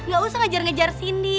gak usah ngejar ngejar cindy